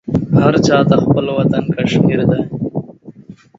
هر چاته خپل وطن کشمير دى.